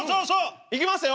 いきますよ。